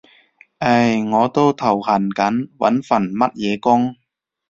唉，我都頭痕緊揾份乜嘢工